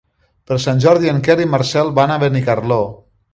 Per Sant Jordi en Quer i en Marcel van a Benicarló.